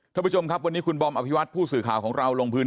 ท่านผู้ชมครับวันนี้คุณบอมอภิวัตผู้สื่อข่าวของเราลงพื้นที่